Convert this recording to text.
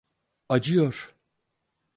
Acıyor!